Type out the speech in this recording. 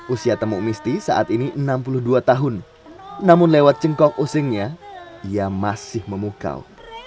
usia temuk misti saat ini enam puluh dua tahun namun lewat cengkok usingnya ia masih memukau